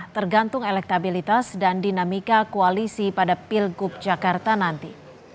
tergantung elektabilitas dan dinamika koalisi pada pilgub jakarta nanti